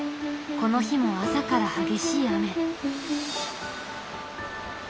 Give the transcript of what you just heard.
この日も朝から激しい雨。